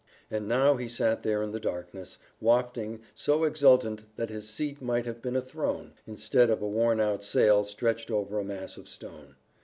And now he sat there in the darkness, wafting, so exultant that his seat might have been a throne, instead of a worn out sail stretched over a mass of stone.